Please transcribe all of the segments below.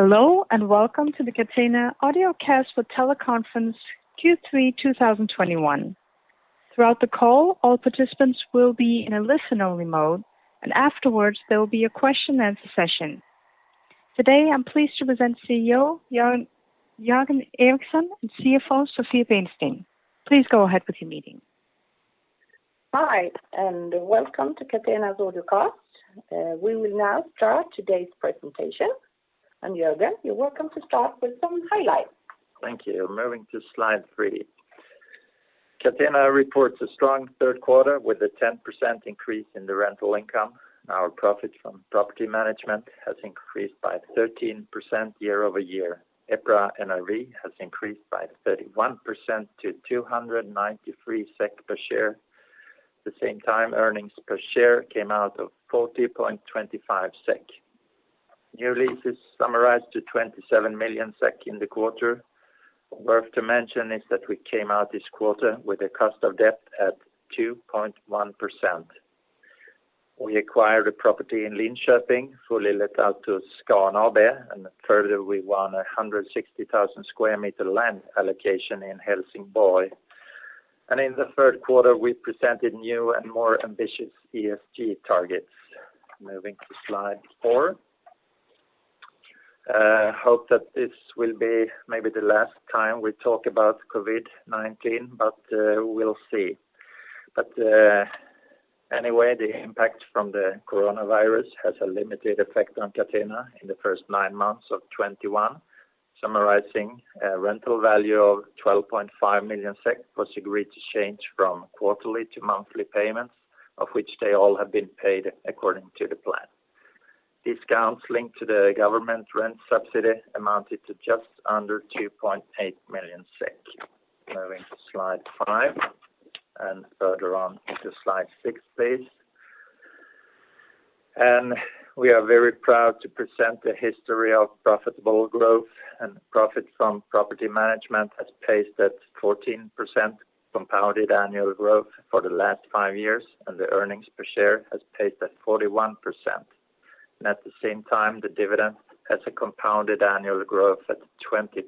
Hello, and welcome to the Catena audiocast for teleconference Q3 2021. Throughout the call, all participants will be in a listen-only mode, and afterwards, there will be a question and answer session. Today, I'm pleased to present CEO Jörgen Eriksson and CFO Sofie Bennsten. Please go ahead with your meeting. Hi, welcome to Catena's audiocast. We will now start today's presentation. Jörgen, you're welcome to start with some highlights. Thank you. Moving to slide three. Catena reports a strong third quarter with a 10% increase in the rental income. Our profit from property management has increased by 13% year-over-year. EPRA NRV has increased by 31% to 293 SEK per share. At the same time, earnings per share came in at 40.25 SEK. New leases totalled 27 million SEK in the quarter. Worth mentioning is that we came out this quarter with a cost of debt at 2.1%. We acquired a property in Linköping, fully let out to Scan AB, and further, we won a 160,000 sq m land allocation in Helsingborg. In the third quarter, we presented new and more ambitious ESG targets. Moving to slide four. I hope that this will be maybe the last time we talk about COVID-19, but we'll see. Anyway, the impact from the coronavirus has a limited effect on Catena in the first nine months of 2021, summarizing a rental value of 12.5 million SEK was agreed to change from quarterly to monthly payments, of which they all have been paid according to the plan. Discounts linked to the government rent subsidy amounted to just under 2.8 million SEK. Moving to slide five and further on to slide six, please. We are very proud to present the history of profitable growth, and profit from property management has paced at 14% compounded annual growth for the last five years, and the earnings per share has paced at 41%. At the same time, the dividend has a compounded annual growth at 20%.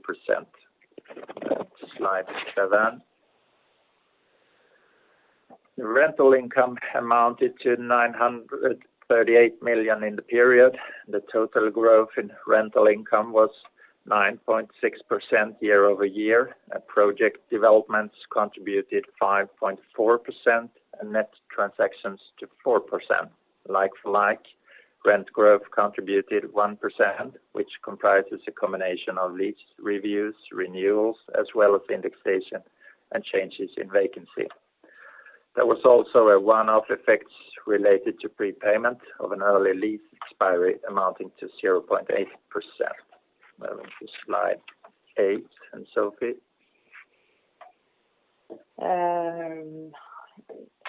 Slide seven. The rental income amounted to 938 million in the period. The total growth in rental income was 9.6% year-over-year. Project developments contributed 5.4% and net transactions to 4%. Like for like, rent growth contributed 1%, which comprises a combination of lease reviews, renewals, as well as indexation and changes in vacancy. There was also a one-off effects related to prepayment of an early lease expiry amounting to 0.8%. Moving to slide eight. Sofie.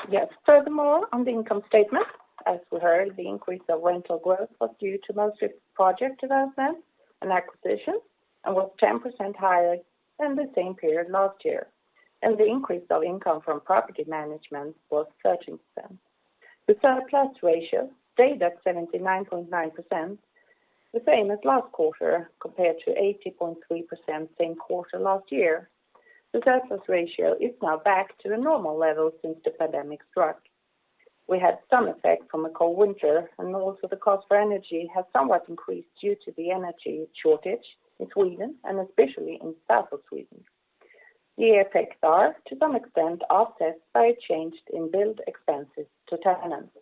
Yes. Furthermore, on the income statement, as we heard, the increase of rental growth was due to mostly project development and acquisitions and was 10% higher than the same period last year. The increase of income from property management was 13%. The surplus ratio stayed at 79.9%, the same as last quarter, compared to 80.3% same quarter last year. The surplus ratio is now back to the normal level since the pandemic struck. We had some effect from a cold winter, and also the cost for energy has somewhat increased due to the energy shortage in Sweden and especially in south of Sweden. The effects are to some extent offset by a change in build expenses to tenants.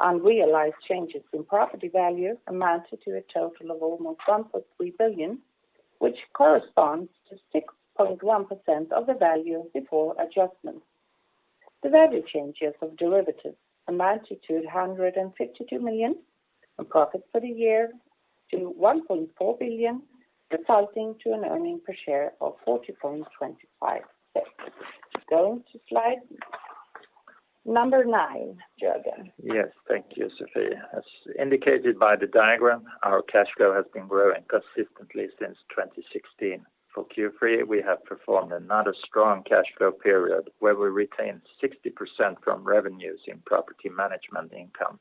Unrealized changes in property value amounted to a total of almost 1.3 billion, which corresponds to 6.1% of the value before adjustment. The value changes of derivatives amounted to 152 million, and profits for the year to 1.4 billion, resulting to an earnings per share of 40.25. Going to slide number nine, Jörgen. Yes. Thank you, Sofie. As indicated by the diagram, our cash flow has been growing consistently since 2016. For Q3, we have performed another strong cash flow period where we retained 60% from revenues in property management income.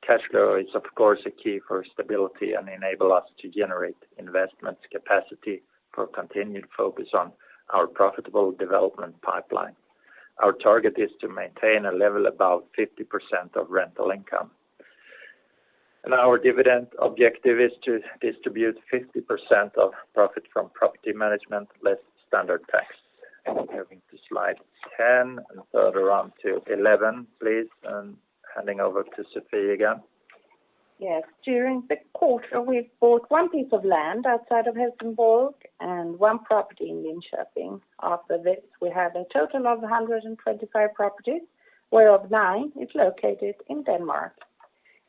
Cash flow is, of course, a key for stability and enable us to generate investments capacity for continued focus on our profitable development pipeline. Our target is to maintain a level above 50% of rental income. Our dividend objective is to distribute 50% of profit from property management, less standard tax. Moving to slide 10 and further on to 11, please. Handing over to Sofie again. Yes. During the quarter, we bought one piece of land outside of Helsingborg and one property in Linköping. After this, we have a total of 125 properties, whereof nine is located in Denmark.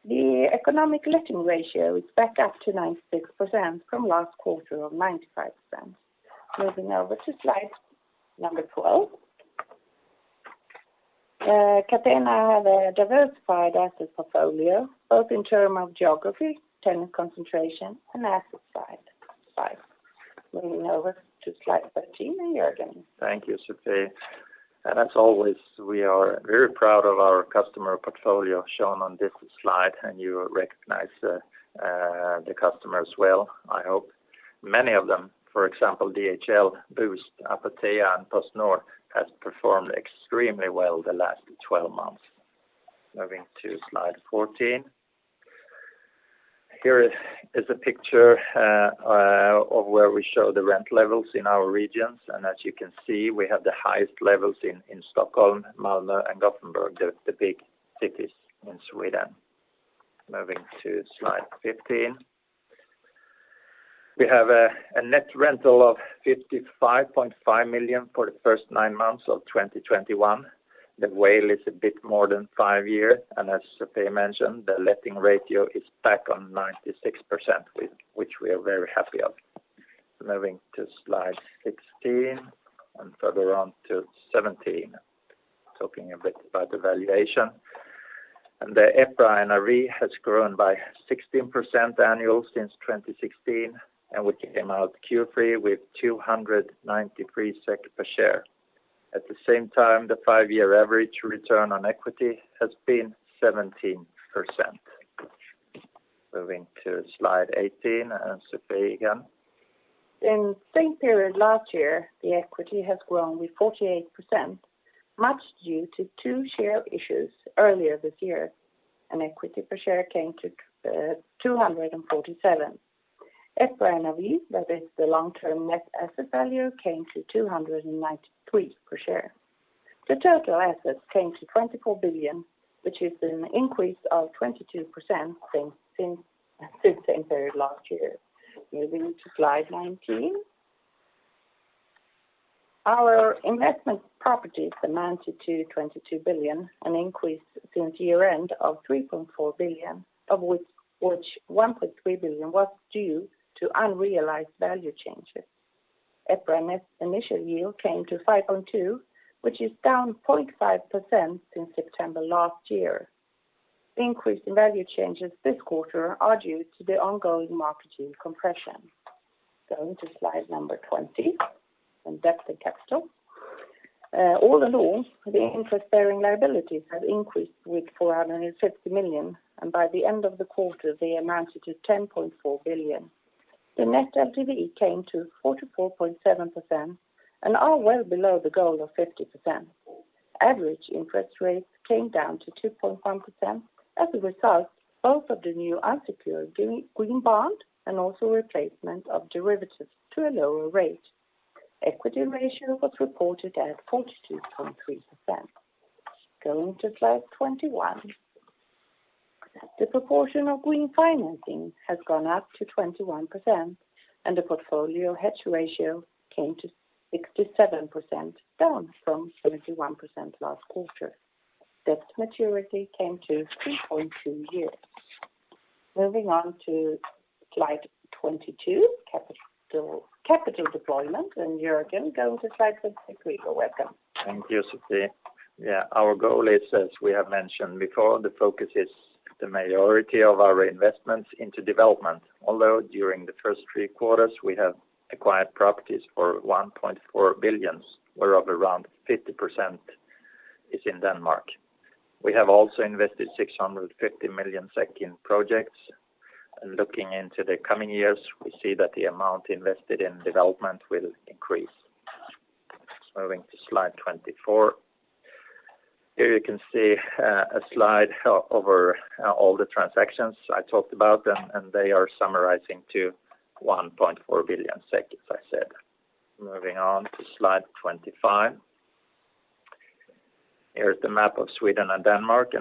The economic letting ratio is back up to 96% from last quarter of 95%. Moving over to slide 12. Catena have a diversified asset portfolio, both in term of geography, tenant concentration, and asset side. Moving over to slide 13 now, Jörgen. Thank you, Sofie. As always, we are very proud of our customer portfolio shown on this slide, and you recognize the customers well, I hope. Many of them, for example, DHL, Boozt, Apotea, and PostNord, has performed extremely well the last 12 months. Moving to slide 14. Here is a picture of where we show the rent levels in our regions. As you can see, we have the highest levels in Stockholm, Malmö and Gothenburg, the big cities in Sweden. Moving to slide 15. We have a net rental of 55.5 million for the first nine months of 2021. The WALE is a bit more than five years, and as Sofie mentioned, the letting ratio is back on 96%, which we are very happy of. Moving to slide 16 and further on to 17. Talking a bit about the valuation. The EPRA NRV has grown by 16% annually since 2016, and we came out Q3 with 293 SEK per share. At the same time, the five-year average return on equity has been 17%. Moving to slide 18, and Sofie again. In same period last year, the equity has grown with 48%, much due to two share issues earlier this year. Equity per share came to 247. EPRA NRV, that is the long-term net asset value, came to 293 per share. The total assets came to 24 billion, which is an increase of 22% since same period last year. Moving to slide 19. Our investment properties amounted to 22 billion, an increase since year-end of 3.4 billion, of which one point three billion was due to unrealized value changes. EPRA net initial yield came to 5.2%, which is down 0.5% since September last year. The increase in value changes this quarter are due to the ongoing market yield compression. Going to slide number 20, and that's the capital. All along, the interest-bearing liabilities have increased with 450 million, and by the end of the quarter, they amounted to 10.4 billion. The net LTV came to 44.7% and are well below the goal of 50%. Average interest rates came down to 2.1% as a result both of the new unsecured green bond and also replacement of derivatives to a lower rate. Equity ratio was reported at 42.3%. Going to slide 21. The proportion of green financing has gone up to 21%, and the portfolio hedge ratio came to 67%, down from 71% last quarter. Debt maturity came to 3.2 years. Moving on to slide 22, capital deployment. Jörgen, go to slide 23, your welcome. Thank you, Sofie. Yeah, our goal is, as we have mentioned before, the focus is the majority of our investments into development. Although during the first three quarters, we have acquired properties for 1.4 billion, whereof around 50% is in Denmark. We have also invested 650 million SEK in projects. Looking into the coming years, we see that the amount invested in development will increase. Moving to slide 24. Here you can see a slide overview all the transactions I talked about, and they are summarizing to 1.4 billion SEK, as I said. Moving on to slide 25. Here is the map of Sweden and Denmark,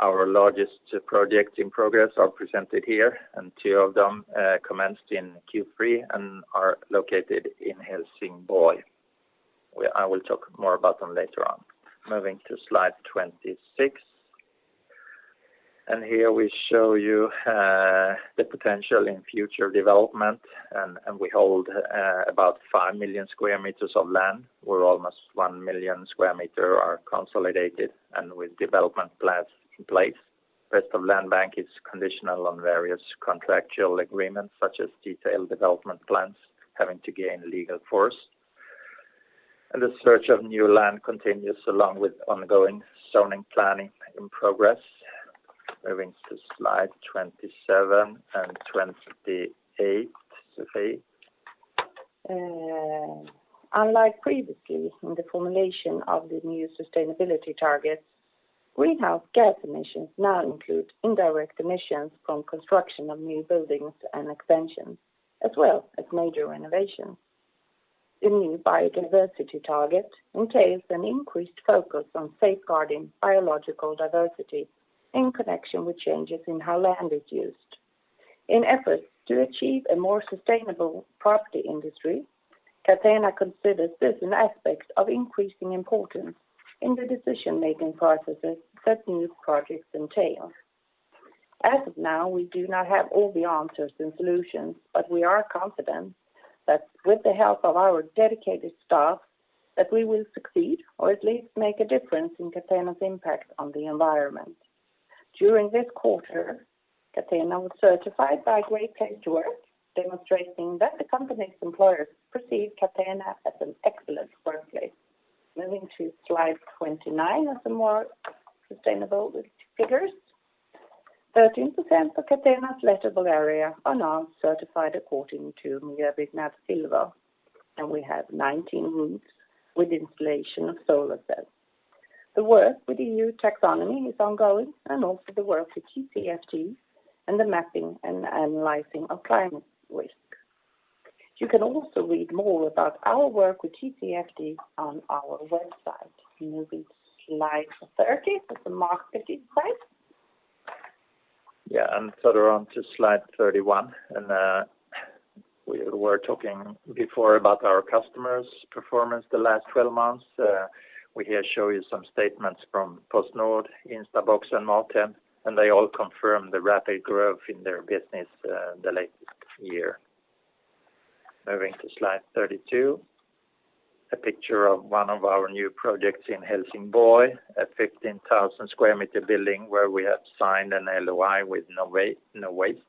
our largest projects in progress are presented here, and two of them commenced in Q3 and are located in Helsingborg. I will talk more about them later on. Moving to slide 26. Here we show you the potential in future development and we hold about 5 million sq m of land, where almost 1 million sq m are consolidated and with development plans in place. Rest of land bank is conditional on various contractual agreements, such as detailed development plans having to gain legal force. The search of new land continues along with ongoing zoning planning in progress. Moving to slide 27 and 28, Sofie. Unlike previously in the formulation of the new sustainability targets, greenhouse gas emissions now include indirect emissions from construction of new buildings and expansions, as well as major renovations. The new biodiversity target entails an increased focus on safeguarding biological diversity in connection with changes in how land is used. In efforts to achieve a more sustainable property industry, Catena considers this an aspect of increasing importance in the decision-making processes that new projects entail. As of now, we do not have all the answers and solutions, but we are confident that with the help of our dedicated staff, that we will succeed or at least make a difference in Catena's impact on the environment. During this quarter, Catena was certified by Great Place To Work, demonstrating that the company's employers perceive Catena as an excellent workplace. Moving to slide 29 are some more sustainable figures. 13% of Catena's lettable area are now certified according to Miljöbyggnad Silver, and we have 19 roofs with installation of solar cells. The work with EU taxonomy is ongoing, and also the work with TCFD and the mapping and analyzing of climate risk. You can also read more about our work with TCFD on our website. Moving to slide 30 with the market insight. Yeah. Further on to slide 31. We were talking before about our customers' performance the last 12 months. We here show you some statements from PostNord, Instabox, and MatHem, and they all confirm the rapid growth in their business, the latest year. Moving to slide 32. A picture of one of our new projects in Helsingborg, a 15,000 sq m building where we have signed an LOI with Nowaste Logistics.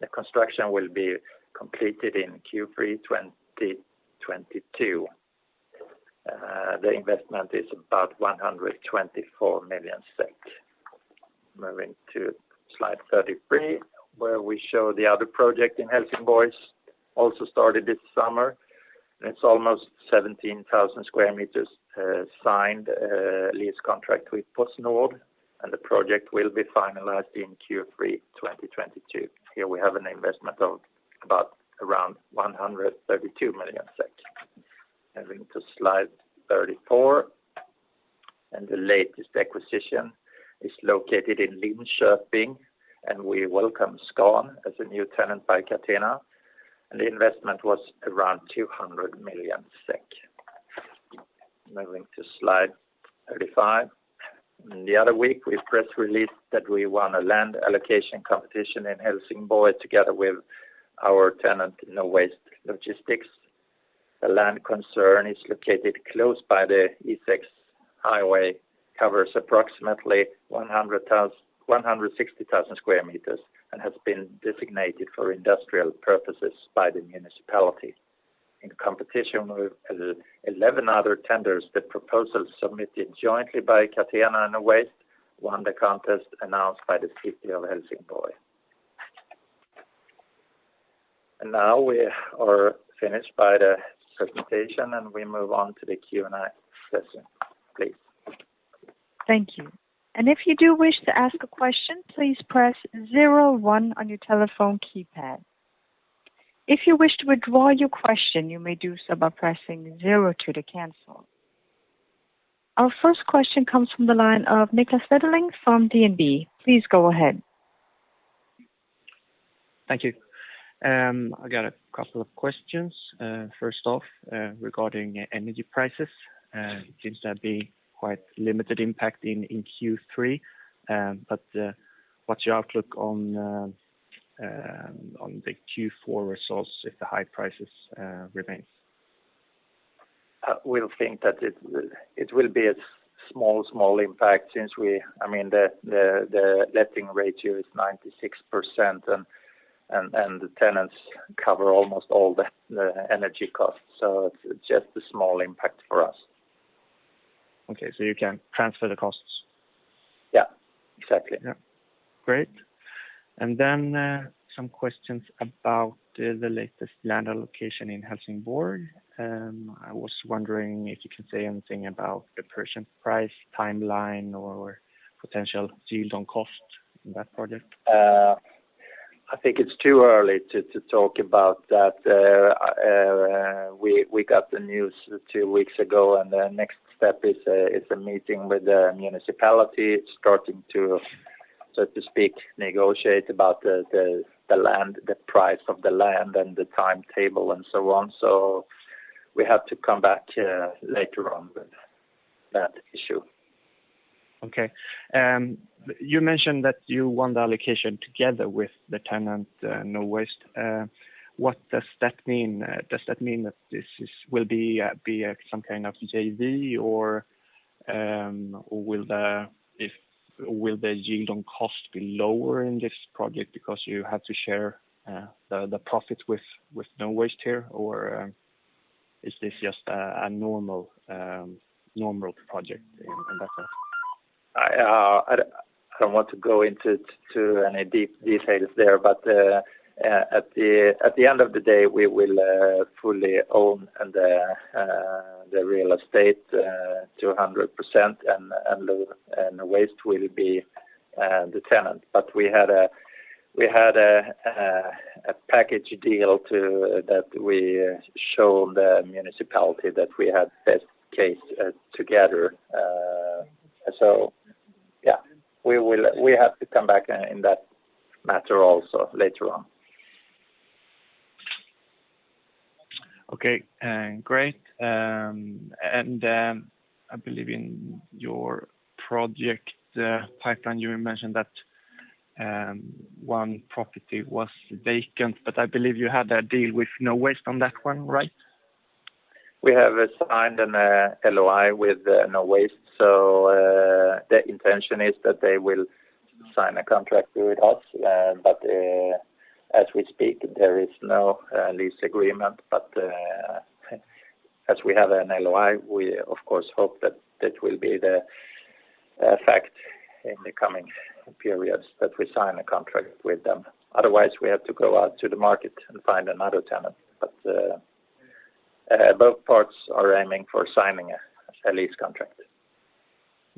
The construction will be completed in Q3 2022. The investment is about 124 million. Moving to slide 33, where we show the other project in Helsingborg, also started this summer. It's almost 17,000 sq m, signed lease contract with PostNord, and the project will be finalized in Q3 2022. Here we have an investment of about 132 million SEK. Moving to slide 34. The latest acquisition is located in Linköping, and we welcome Scan as a new tenant by Catena, and the investment was around 200 million SEK. Moving to slide 35. In the other week, we press release that we won a land allocation competition in Helsingborg together with our tenant, Nowaste Logistics. The land concession is located close by the E6 highway, covers approximately 160,000 sq m, and has been designated for industrial purposes by the municipality. In competition with 11 other tenders, the proposal submitted jointly by Catena and Nowaste Logistics won the contest announced by the city of Helsingborg. Now we are finished with the presentation, and we move on to the Q&A session, please. Thank you. If you do wish to ask a question, please press zero one on your telephone keypad. If you wish to withdraw your question, you may do so by pressing zero two to cancel. Our first question comes from the line of Niklas Wetterling from DNB. Please go ahead. Thank you. I got a couple of questions. First off, regarding energy prices. It seems to be quite limited impact in Q3. What's your outlook on the Q4 results if the high prices remains? We'll think that it will be a small impact, I mean, the letting ratio is 96%, and the tenants cover almost all the energy costs. It's just a small impact for us. Okay. You can transfer the costs? Yeah, exactly. Yeah. Great. Some questions about the latest land allocation in Helsingborg. I was wondering if you could say anything about the purchase price, timeline, or potential yield on cost in that project. I think it's too early to talk about that. We got the news two weeks ago, and the next step is a meeting with the municipality starting to, so to speak, negotiate about the land, the price of the land and the timetable and so on. We have to come back later on with that issue. Okay. You mentioned that you won the allocation together with the tenant, Nowaste. What does that mean? Does that mean that this will be some kind of JV or will the yield on cost be lower in this project because you have to share the profit with Nowaste here? Or is this just a normal project in that sense? I don't want to go into any deep details there. At the end of the day, we will fully own the real estate 200%, and Nowaste will be the tenant. We had a package deal that we showed the municipality that we had best case together. Yeah, we have to come back in that matter also later on. Okay. Great. I believe in your project pipeline, you mentioned that one property was vacant, but I believe you had a deal with Nowaste on that one, right? We have assigned an LOI with Nowaste. The intention is that they will sign a contract with us. As we speak, there is no lease agreement. As we have an LOI, we of course hope that it will be the fact in the coming periods that we sign a contract with them. Otherwise, we have to go out to the market and find another tenant. Both parts are aiming for signing a lease contract.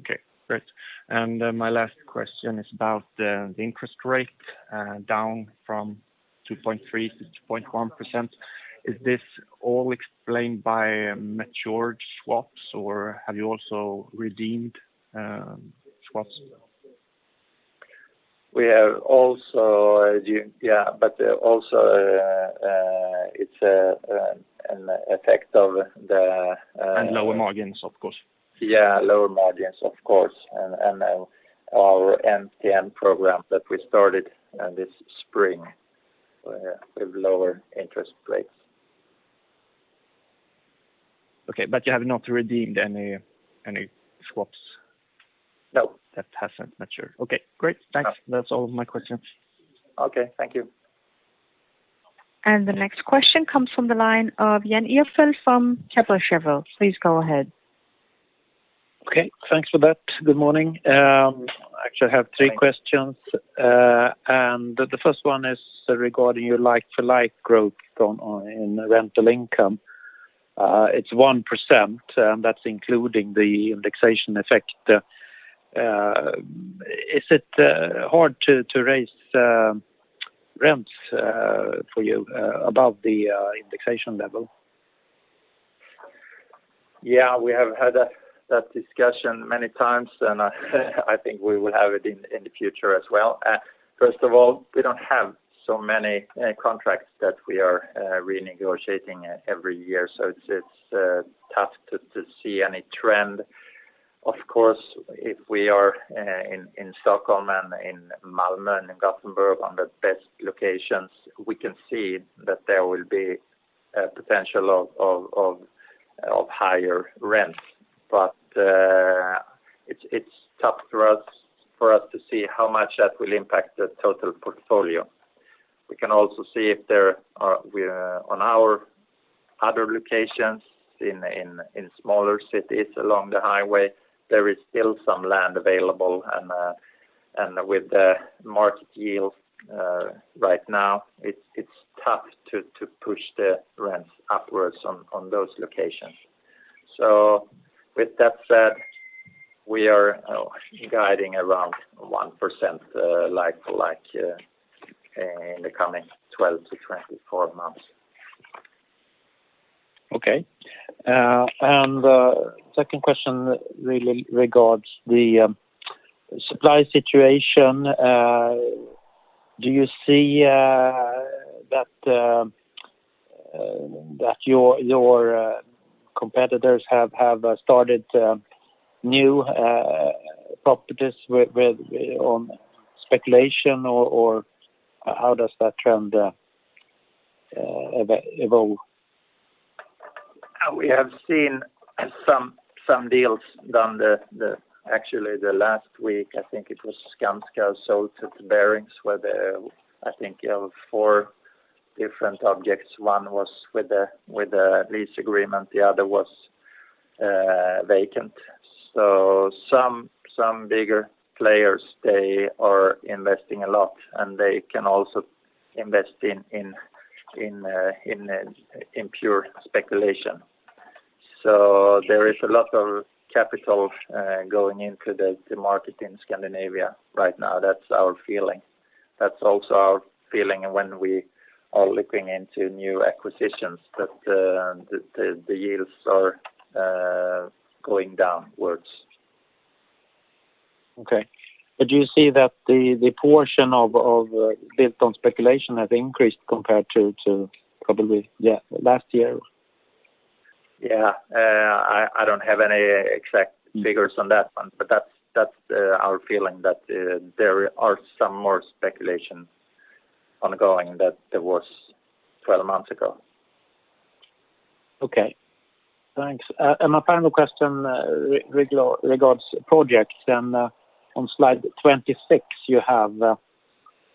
Okay, great. My last question is about the interest rate down from 2.3% to 2.1%. Is this all explained by matured swaps or have you also redeemed swaps? We have also. Yeah, it's an effect of the. Lower margins, of course. Yeah, lower margins, of course. Our MTN program that we started this spring with lower interest rates. Okay. You have not redeemed any swaps? No. That hasn't matured. Okay, great. Yeah. Thanks. That's all of my questions. Okay. Thank you. The next question comes from the line of Jan Ihrfelt from Kepler Cheuvreux. Please go ahead. Okay, thanks for that. Good morning. Actually, I have three questions. The first one is regarding your like-for-like growth in rental income. It's 1%, that's including the indexation effect. Is it hard to raise rents for you above the indexation level? Yeah. We have had that discussion many times, and I think we will have it in the future as well. First of all, we don't have so many contracts that we are renegotiating every year. It's tough to see any trend. Of course, if we are in Stockholm and in Malmö and in Gothenburg on the best locations, we can see that there will be a potential of higher rents. But it's tough for us to see how much that will impact the total portfolio. We can also see on our other locations in smaller cities along the highway, there is still some land available. With the market yield right now, it's tough to push the rents upwards on those locations. With that said, we are guiding around 1% like-for-like in the coming 12-24 months. Okay. Second question really regards the supply situation. Do you see that your competitors have started new properties with on speculation or how does that trend evolve? We have seen some deals done. Actually, last week, I think it was Skanska sold to Barings, where there I think you have four different objects. One was with a lease agreement, the other was vacant. So some bigger players, they are investing a lot, and they can also invest in pure speculation. So there is a lot of capital going into the market in Scandinavia right now. That's our feeling. That's also our feeling when we are looking into new acquisitions that the yields are going downwards. Okay. Do you see that the portion of built on speculation has increased compared to probably, yeah, last year? Yeah. I don't have any exact figures on that one, but that's our feeling that there are some more speculation ongoing than there was 12 months ago. Okay. Thanks. My final question regards projects. On slide 26, you have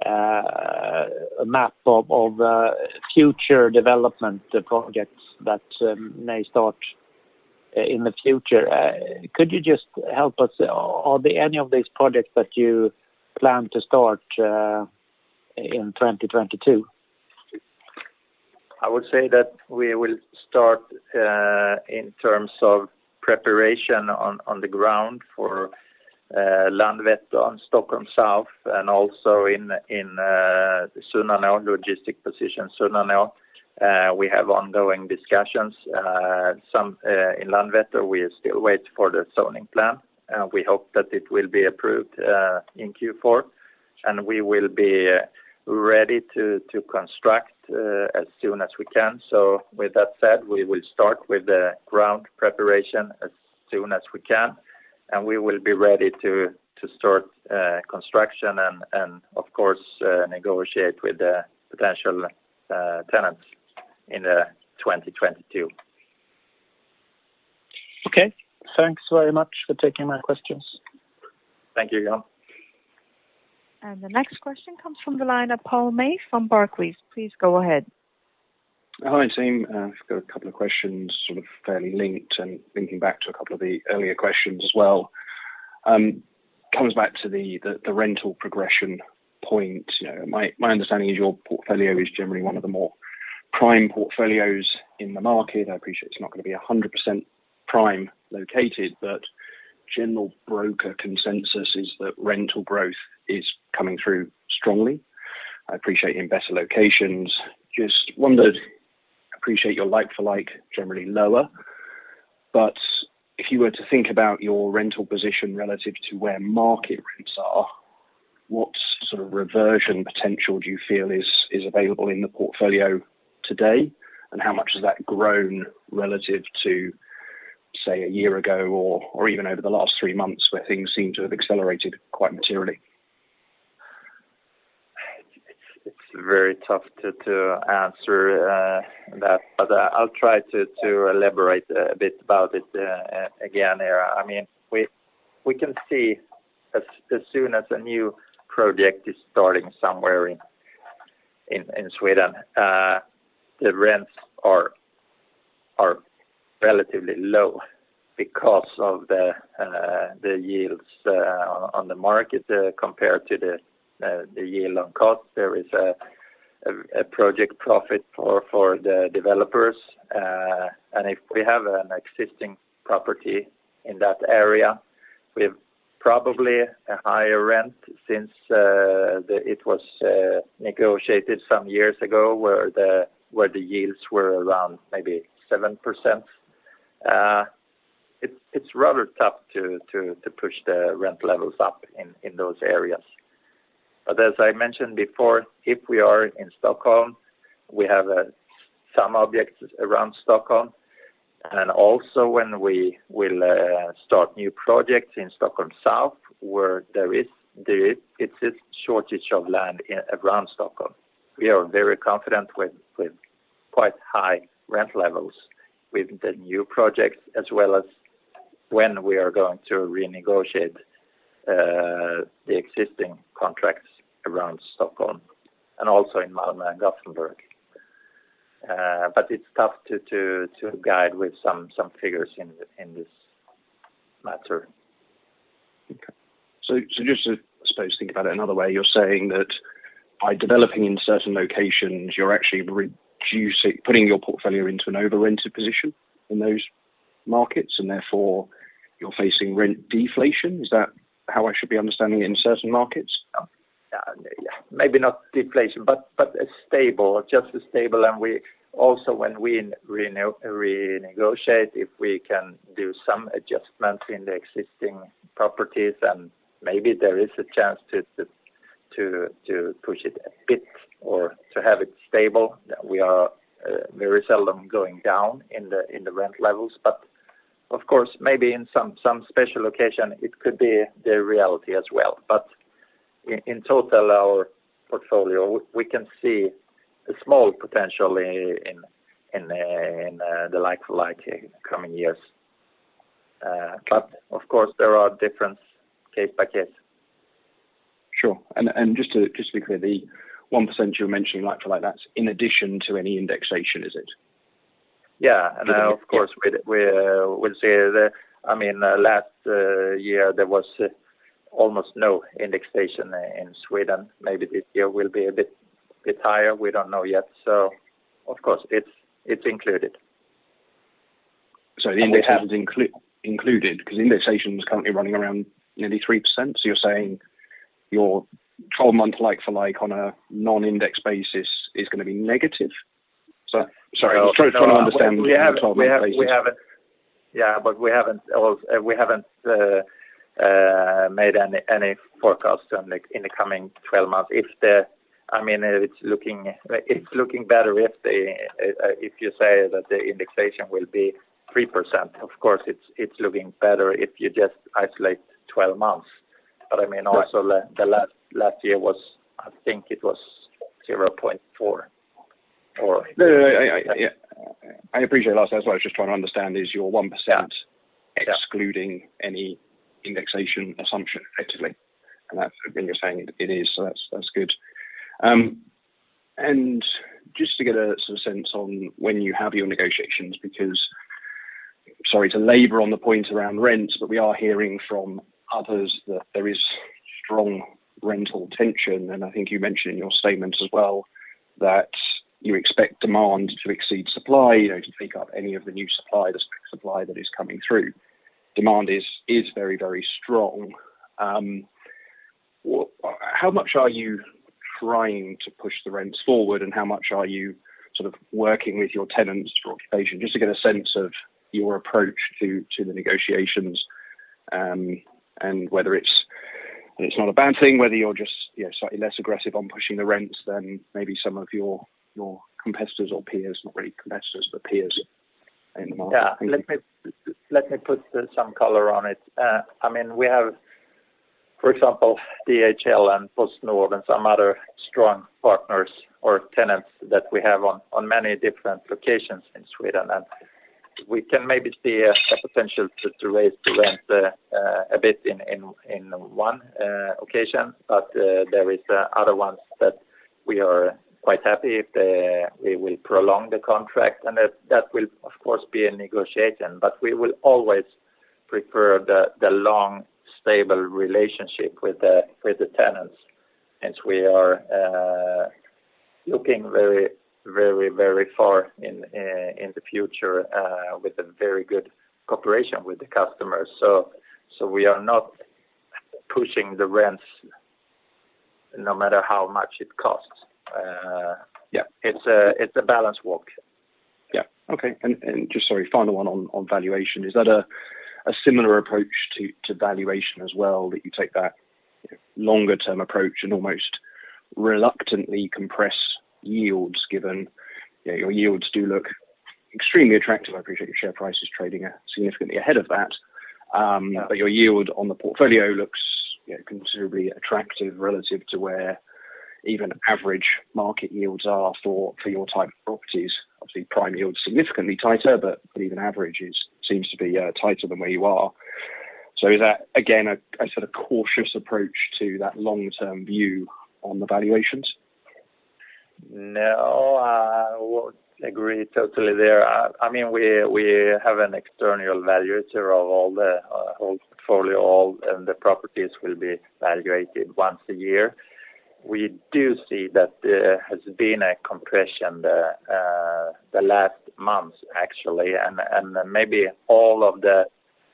a map of future development projects that may start in the future. Could you just help us? Are there any of these projects that you plan to start in 2022? I would say that we will start in terms of preparation on the ground for Landvetter on Stockholm South and also in Sunnanå, logistic position Sunnanå. We have ongoing discussions. Some in Landvetter, we still wait for the zoning plan. We hope that it will be approved in Q4, and we will be ready to construct as soon as we can. With that said, we will start with the ground preparation as soon as we can. We will be ready to start construction and of course negotiate with the potential tenants in 2022. Okay. Thanks very much for taking my questions. Thank you, Jan. The next question comes from the line of Paul May from Barclays. Please go ahead. Hi, team. I've got a couple of questions sort of fairly linked and linking back to a couple of the earlier questions as well. Comes back to the rental progression point. You know, my understanding is your portfolio is generally one of the more prime portfolios in the market. I appreciate it's not gonna be 100% prime located, but general broker consensus is that rental growth is coming through strongly. I appreciate you're in better locations. Just wondered, appreciate your like for like generally lower, but if you were to think about your rental position relative to where market rates are, what sort of reversion potential do you feel is available in the portfolio today? How much has that grown relative to, say, a year ago or even over the last three months where things seem to have accelerated quite materially? It's very tough to answer that, but I'll try to elaborate a bit about it again here. I mean, we can see as soon as a new project is starting somewhere in Sweden, the rents are relatively low because of the yields on the market compared to the yield on cost. There is a project profit for the developers. And if we have an existing property in that area, we have probably a higher rent since it was negotiated some years ago, where the yields were around maybe 7%. It's rather tough to push the rent levels up in those areas. As I mentioned before, if we are in Stockholm, we have some objects around Stockholm. Also when we will start new projects in Stockholm South, where there is a shortage of land around Stockholm. We are very confident with quite high rent levels with the new projects, as well as when we are going to renegotiate the existing contracts around Stockholm and also in Malmö and Gothenburg. It's tough to guide with some figures in this matter. Okay. Just to, I suppose, think about it another way, you're saying that by developing in certain locations, you're actually reducing, putting your portfolio into an over-rented position in those markets, and therefore you're facing rent deflation. Is that how I should be understanding it in certain markets? Yeah. Maybe not deflation, but it's stable. Just stable. Also, when we renegotiate, if we can do some adjustments in the existing properties, then maybe there is a chance to push it a bit or to have it stable. We are very seldom going down in the rent levels. Of course, maybe in some special location it could be the reality as well. In total, our portfolio, we can see a small potential in the like for like in the coming years. Of course there are differences case by case. Sure. Just to be clear, the 1% you were mentioning like for like, that's in addition to any indexation, is it? Yeah. Now of course, we'll see. I mean, last year there was almost no indexation in Sweden. Maybe this year will be a bit higher. We don't know yet. Of course it's included. The indexation's included, 'cause indexation is currently running around nearly 3%. You're saying your 12-month like for like on a non-indexed basis is gonna be negative? Sorry, just trying to understand the 12-month basis. We haven't made any forecast in the coming 12 months. I mean, it's looking better if you say that the indexation will be 3%. Of course, it's looking better if you just isolate 12 months. I mean, also the last year was, I think it was 0.4% or. No, no. Yeah. I appreciate that. That's what I was just trying to understand is your 1% excluding any indexation assumption effectively. That's, I think you're saying it is, so that's good. Just to get a sort of sense on when you have your negotiations, because sorry to labor on the point around rent, but we are hearing from others that there is strong rent tension. I think you mentioned in your statement as well that you expect demand to exceed supply, you know, to take up any of the new supply, the supply that is coming through. Demand is very, very strong. How much are you trying to push the rents forward, and how much are you sort of working with your tenants for occupation, just to get a sense of your approach to the negotiations, and whether it's. It's not a bad thing whether you're just, you know, slightly less aggressive on pushing the rents than maybe some of your competitors or peers. Not really competitors, but peers in the market. Yeah. Let me put some color on it. I mean, we have, for example, DHL and PostNord and some other strong partners or tenants that we have on many different locations in Sweden. We can maybe see a potential to raise the rent a bit in one occasion. There is other ones that we are quite happy if we will prolong the contract, and that will of course be a negotiation. We will always prefer the long, stable relationship with the tenants. Since we are looking very far in the future with a very good cooperation with the customers. We are not pushing the rents no matter how much it costs. Yeah. It's a balance walk. Yeah. Okay. Just sorry, final one on valuation. Is that a similar approach to valuation as well, that you take that longer-term approach and almost reluctantly compress yields given you know, your yields do look extremely attractive. I appreciate your share price is trading significantly ahead of that. Yeah. Your yield on the portfolio looks, you know, considerably attractive relative to where even average market yields are for your type of properties. Obviously, prime yield is significantly tighter, but even average seems to be tighter than where you are. Is that again a sort of cautious approach to that long-term view on the valuations? No, I wouldn't agree totally there. I mean, we have an external valuator of the whole portfolio, all the properties will be valuated once a year. We do see that there has been a compression in the last months actually, and maybe all of the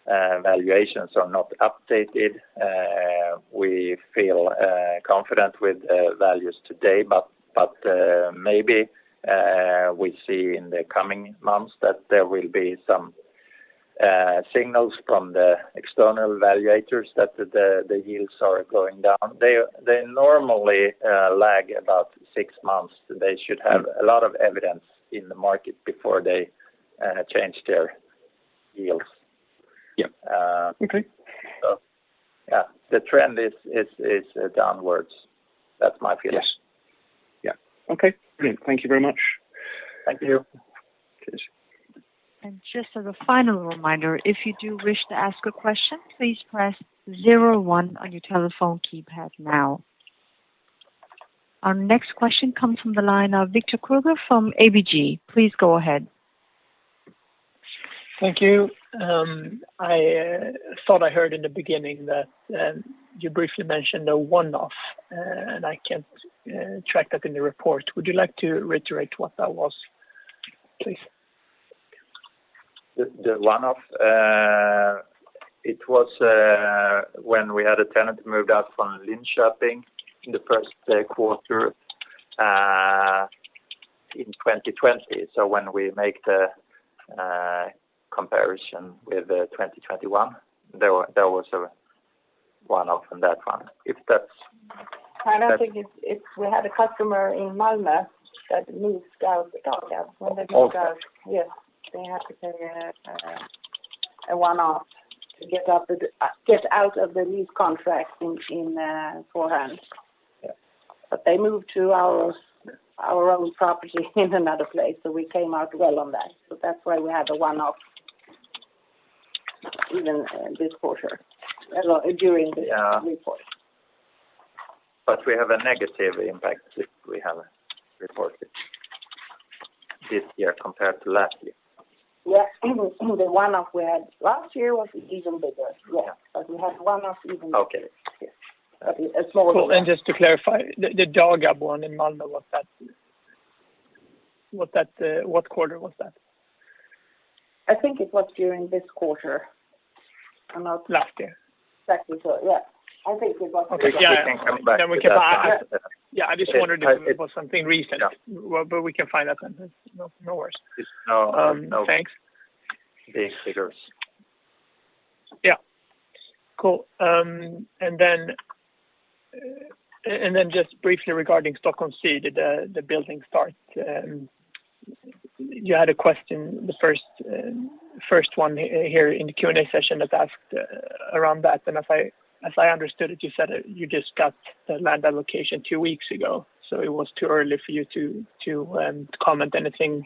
valuations are not updated. We feel confident with values today. Maybe we see in the coming months that there will be some signals from the external valuators that the yields are going down. They normally lag about six months. They should have a lot of evidence in the market before they change their yields. Yeah. Okay. Yeah, the trend is downwards. That's my feeling. Yes. Yeah. Okay, brilliant. Thank you very much. Thank you. Cheers. Just as a final reminder, if you do wish to ask a question, please press zero one on your telephone keypad now. Our next question comes from the line of Victor Krüeger from ABG Sundal Collier. Please go ahead. Thank you. I thought I heard in the beginning that you briefly mentioned a one-off, and I can't track that in the report. Would you like to reiterate what that was, please? The one-off? It was when we had a tenant moved out from Linköping in the first quarter in 2020. When we make the comparison with 2021, there was a one-off on that one. If that's. It's we had a customer in Malmö that moved out. Oh, yeah. When they moved out. Oh. Yeah. They had to pay a one-off to get out of the lease contract in advance. They moved to our own property in another place, so we came out well on that. That's why we had a one-off even in this quarter. Well, during the. Yeah. Report. We have a negative impact if we have reported this year compared to last year. Yeah. The one-off we had last year was even bigger. Yeah. We had one-off even. Okay. Yeah. A smaller one. Cool. Just to clarify, the Dagab one in Malmö, was that what quarter was that? I think it was during this quarter. Last year. Exactly. Yeah. I think it was. We can come back to that. Yeah. We can ask. Yeah. I just wondered if it was something recent. Yeah. We can find out then. No, no worries. Thanks. Big figures. Yeah. Cool. Just briefly regarding Stockholm City, the building start. You had a question, the first one here in the Q&A session that asked around that. As I understood it, you said you just got the land allocation two weeks ago, so it was too early for you to comment anything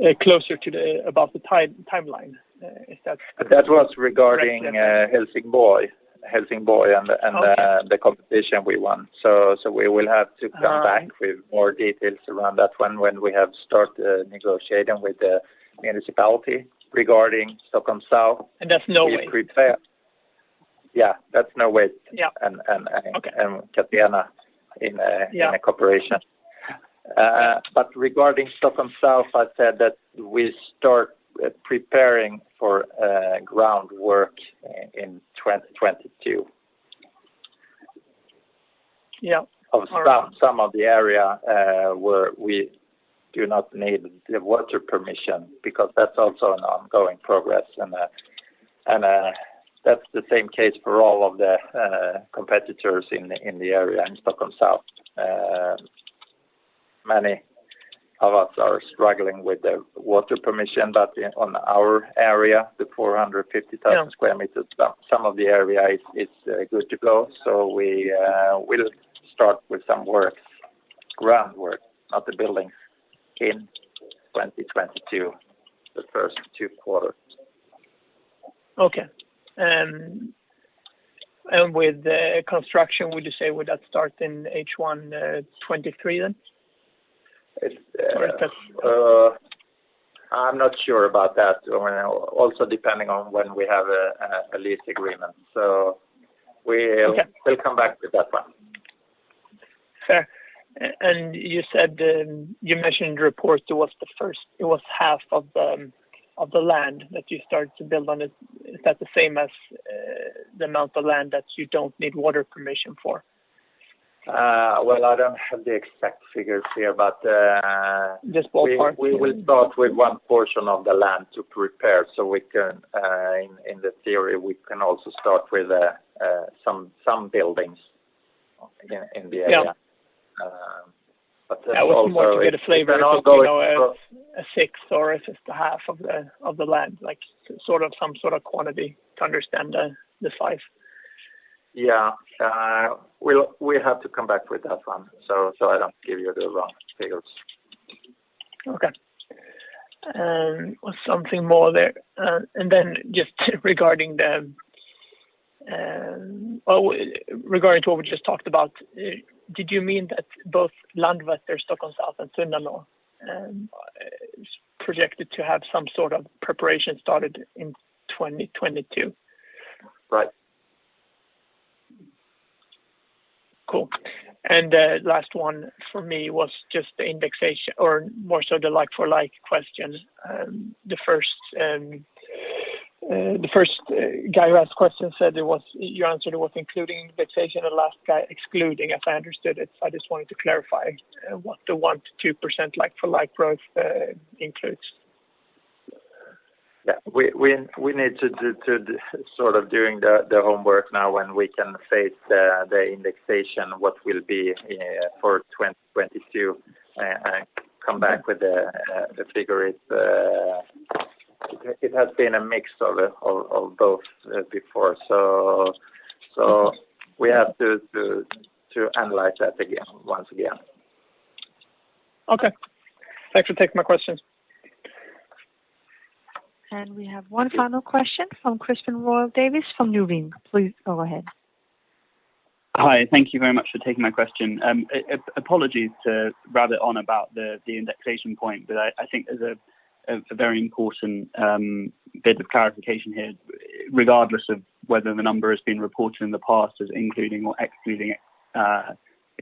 about the timeline. Is that correct? That was regarding Helsingborg. The competition we won. We will have to come back with more details around that one when we have started negotiating with the municipality regarding Stockholm South. That's Norway. We prepare. Yeah. That's Norway. Yeah. And. And Catena in a cooperation. Regarding Stockholm South, I said that we start preparing for groundwork in 2022. Yeah. Of some of the area where we do not need the water permission because that's also an ongoing process. That's the same case for all of the competitors in the area in Stockholm South. Many of us are struggling with the water permission, but on our area, the 450,000 sq m. Yeah. Some of the area is good to go. We will start with some work, groundwork, not the buildings in 2022, the first two quarters. Okay. With the construction, would you say that would start in H1 2023 then? It's. I'm not sure about that. Also depending on when we have a lease agreement. We. Okay. We'll come back to that one. Fair. You said you mentioned it was half of the land that you started to build on. Is that the same as the amount of land that you don't need water permission for? Well, I don't have the exact figures here, but. Just ballpark. We will start with one portion of the land to prepare so we can in theory also start with some buildings in the area. Yeah. But also. Yeah. We can also get a flavor. It can all go across. To know 1/6 or just a half of the land, like sort of some sort of quantity to understand the size. Yeah. We'll, we have to come back with that one, so I don't give you the wrong figures. Okay. Was something more there. Just regarding to what we just talked about, did you mean that both Landvetter, Stockholm South and Sundbyberg is projected to have some sort of preparation started in 2022? Right. Cool. The last one for me was just the indexation or more so the like for like question. The first guy who asked questions said it was, you answered it was including indexation and last guy excluding, if I understood it. I just wanted to clarify what the 1%-2% like for like growth includes. Yeah. We need to sort of doing the homework now when we can face the indexation, what will be for 2022. I come back with the figure. It has been a mix of both before. We have to analyze that again, once again. Okay. Thanks for taking my questions. We have one final question from Christian Royal Davis from. Please go ahead. Hi. Thank you very much for taking my question. Apologies to rabbit on about the indexation point, but I think there's a very important bit of clarification here. Regardless of whether the number has been reported in the past as including or excluding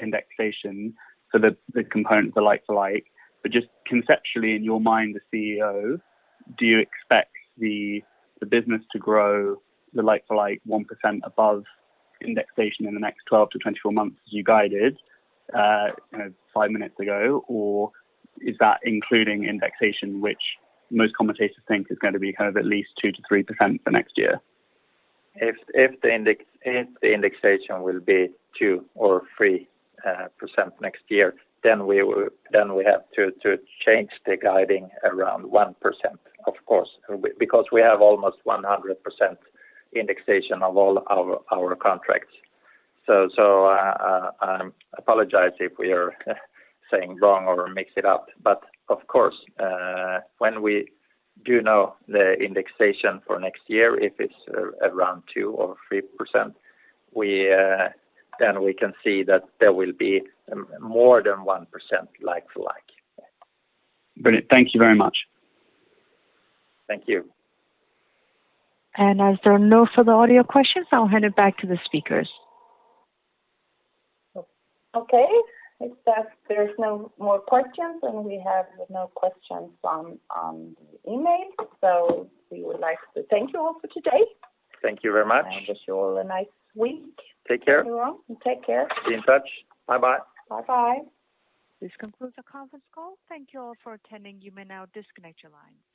indexation, so the components are like for like. But just conceptually in your mind, the CEO, do you expect the business to grow the like for like 1% above indexation in the next 12-24 months as you guided, you know, 5 minutes ago? Or is that including indexation, which most commentators think is going to be kind of at least 2%-3% for next year? If the indexation will be 2 or 3% next year, then we have to change the guidance around 1%, of course, because we have almost 100% indexation of all our contracts. I apologize if we are saying wrong or mix it up. Of course, when we do know the indexation for next year, if it's around 2 or 3%, then we can see that there will be more than 1% like for like. Brilliant. Thank you very much. Thank you. As there are no further audio questions, I'll hand it back to the speakers. Okay. If there's no more questions, and we have no questions on the email. We would like to thank you all for today. Thank you very much. Wish you all a nice week. Take care. Everyone take care. Be in touch. Bye-bye. Bye-bye. This concludes our conference call. Thank you all for attending. You may now disconnect your lines. Thank you.